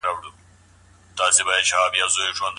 د لندن کنفرانس د حکومتولۍ پر ښه والي ټینګار وکړ.